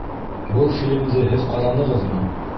Был фильмды һеҙ ҡаранығыҙмы?